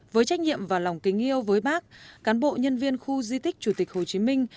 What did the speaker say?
với trách nhiệm và lòng kính yêu với bác cán bộ nhân viên khu di tích chủ tịch hồ chí minh